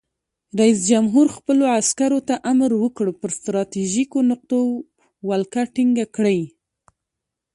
رئیس جمهور خپلو عسکرو ته امر وکړ؛ پر ستراتیژیکو نقطو ولکه ټینګه کړئ!